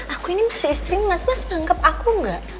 aku ini masih istri mas mas nganggep aku gak